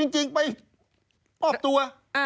จริงไปมอบตัว